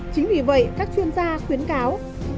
chính vì vậy các chuyên gia khuyến cáo